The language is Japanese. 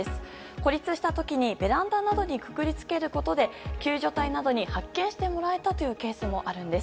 孤立した時にベランダなどにくくりつけることで救助隊などに発見してもらえたというケースもあるんです。